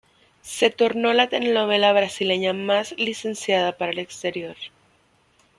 Se tornó la telenovela brasileña más licenciada para el exterior.